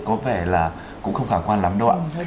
có vẻ là cũng không khả quan lắm đâu ạ